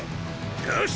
よし！